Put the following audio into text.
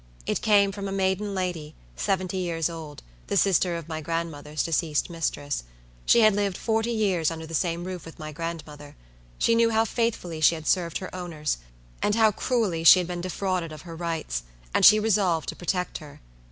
It came from a maiden lady, seventy years old, the sister of my grandmother's deceased mistress. She had lived forty years under the same roof with my grandmother; she knew how faithfully she had served her owners, and how cruelly she had been defrauded of her rights; and she resolved to protect her.